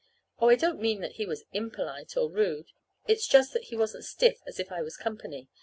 Oh, I don't mean that he was impolite or rude. It's just that he wasn't stiff as if I was company.